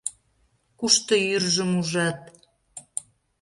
Кушто йӱржым ужат?